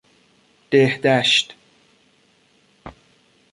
دهدشت